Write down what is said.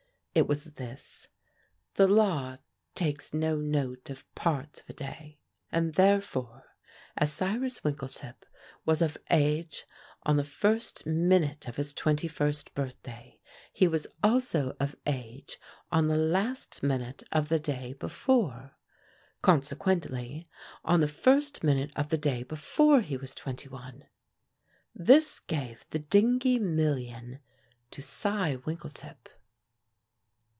It was this: The law takes no note of parts of a day, and therefore as Cyrus Winkletip was of age on the first minute of his twenty first birthday, he was also of age on the last minute of the day before consequently on the first minute of the day before he was twenty one! This gave the Dingee million to Cy Winkletip!